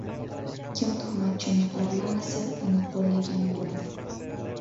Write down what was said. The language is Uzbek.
Kim tuhmatchini qoralamasa, uni qo‘llagan bo‘ladi.